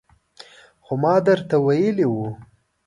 خو ما درته ویلي وو